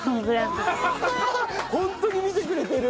ホントに見てくれてる！